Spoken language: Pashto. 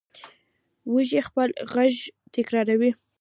وزې خپل غږ تکراروي